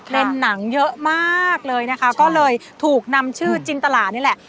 หนังเยอะมากเลยนะคะก็เลยถูกนำชื่อจินตลานี่แหละ